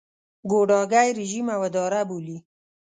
ګوډاګی رژیم او اداره بولي.